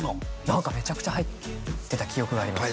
何かめちゃくちゃ入ってた記憶があります